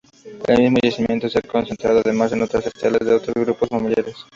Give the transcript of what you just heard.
En el mismo yacimiento se han encontrado además otras estelas de otros grupos familiares.